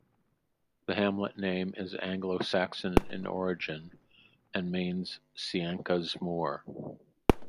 The hamlet name is Anglo Saxon in origin, and means 'Ceacca's moor'.